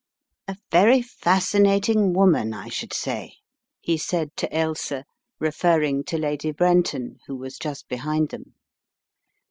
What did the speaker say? "A very fascinating woman, I should say," he said to Ailsa, referring to Lady Brenton, who was just behind them.